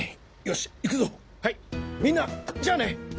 みんなじゃあね。